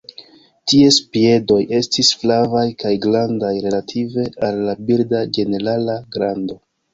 Ties piedoj estis flavaj kaj grandaj relative al la birda ĝenerala grando.